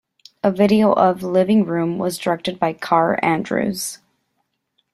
A video of "Living Room" was directed by Kaare Andrews.